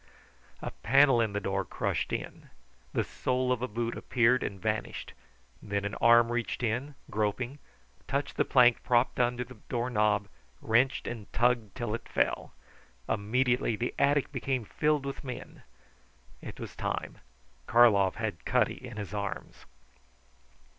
A panel in the door crushed in. The sole of a boot appeared and vanished. Then an arm reached in, groping, touched the plank propped under the door knob, wrenched and tugged until it fell. Immediately the attic became filled with men. It was time. Karlov had Cutty in his arms.